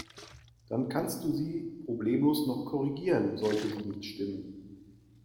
Dann kannst du sie problemlos noch korrigieren, sollte sie nicht stimmen.